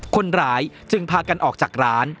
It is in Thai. คนร้ายจึงพากันออกจากร้าน